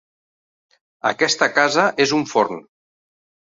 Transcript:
Aquesta casa és un forn!